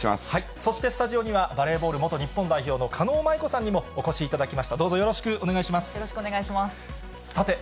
そしてスタジオには、バレーボール元日本代表の狩野舞子さんにもお越しいただきました。